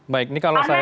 baik ini kalau saya